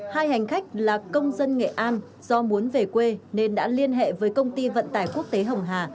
hai hành khách là công dân nghệ an do muốn về quê nên đã liên hệ với công ty vận tải quốc tế hồng hà